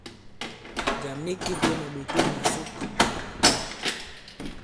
Jàm nik dī bwě màɓòto nì ìsuk.